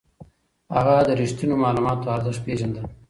هغه د رښتينو معلوماتو ارزښت پېژانده.